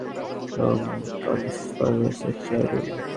আর কোন কোন জায়গা থেকে কনফার্মেশন এসেছে, অ্যাডুল?